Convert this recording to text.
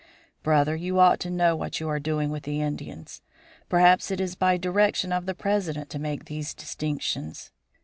"Brother, you ought to know what you are doing with the Indians. Perhaps it is by direction of the President to make these distinctions.